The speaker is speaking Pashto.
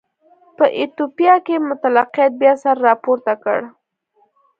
په ایتوپیا کې مطلقیت بیا سر راپورته کړ.